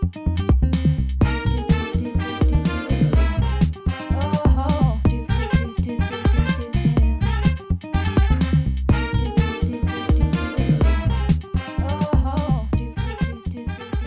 โปรดติดตามตอนต่อไป